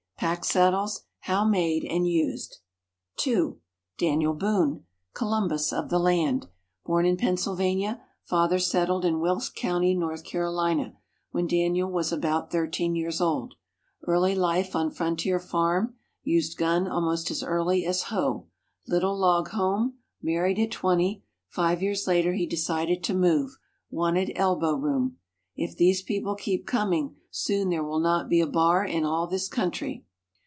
Pack saddles, how made and used. 2. Daniel Boone, "Columbus of the Land." Born in Pennsylvania, father settled in Wilkes County, North Carolina, when Daniel was about 13 years old. Early life on frontier farm, used gun almost as early as hoe. Little log home. Married at 20; five years later he decided to move, wanted "elbow room." "If these people keep coming, soon there will not be a bar in all this country."